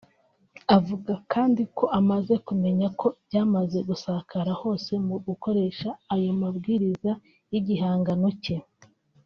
Avuga kandi ko amaze kumenya ko byamaze gusakara hose mu gukoresha ayo mabwiriza y’igihangano cye